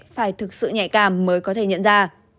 phải thực sự nhạy cảm mới có thể nhận ra